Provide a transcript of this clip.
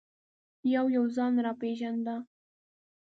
یو یو ځان را پېژانده.